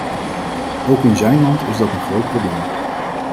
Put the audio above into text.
Ook in zijn land is dat een groot probleem.